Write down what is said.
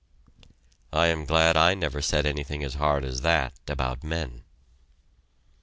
I am glad I never said anything as hard as that about men.